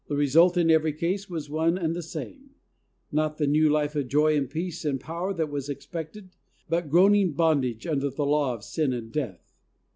result in every case was one and the same — not the new life of joy and peace and power that was expected, but groaning bondage under the law of sin and death.